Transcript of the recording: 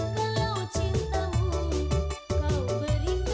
lagi mati aku aduh membelamu